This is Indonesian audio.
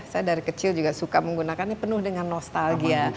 saya dari kecil juga suka menggunakannya penuh dengan nostalgia